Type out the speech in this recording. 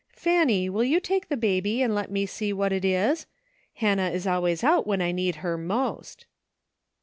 Fanny, will you take the baby and let me see what it is ? Hannah is always out when I need her most."